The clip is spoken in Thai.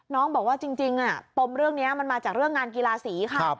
น้องบอกว่าจริงปมเรื่องนี้มันมาจากเรื่องงานกีฬาสีค่ะ